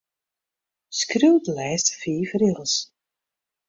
Skriuw de lêste fiif rigels.